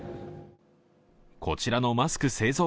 こちらのマスク製造